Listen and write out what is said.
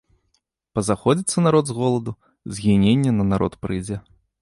Пазаходзіцца народ з голаду, згіненне на народ прыйдзе.